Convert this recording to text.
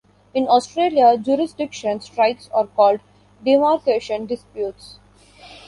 In Australia, jurisdiction strikes are called demarcation disputes.